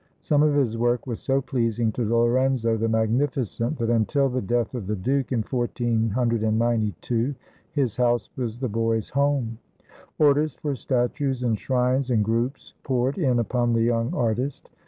Some of his work was so pleasing to Lorenzo the Magnificent that until the death of the Duke, in 1492, his house was the boy's home. Orders for statues and shrines and groups poured in upon the young artist.